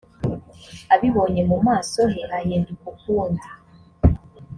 abibonye mu maso he hahinduka ukundi